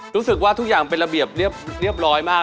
รู้สึกว่าทุกอย่างเป็นระเบียบเรียบร้อยมาก